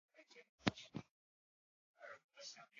且无其他部首可用者将部首归为立部。